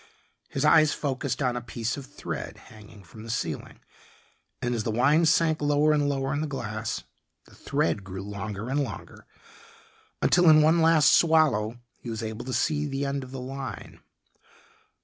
His eyes focused on a piece of thread hanging from the ceiling, and as the wine sank lower and lower in the glass, the thread grew longer and longer until in one last swallow he was able to see the end of the line.